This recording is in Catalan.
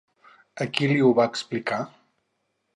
A qui li ho va explicar?